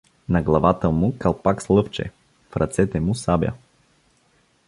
На главата му калпак с лъвче, в ръцете му сабя.